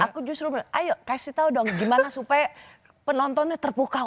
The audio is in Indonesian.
aku justru ayo kasih tau dong gimana supaya penontonnya terbuka